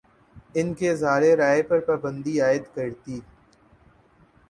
ان کے اظہارِ رائے پر پابندی عائدکرتی